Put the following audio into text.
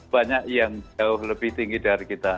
banyak yang jauh lebih tinggi dari kita